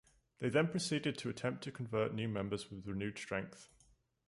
They then proceeded to attempt to convert new members with renewed strength.